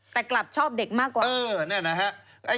แต่กลับชอบเด็กมากกว่า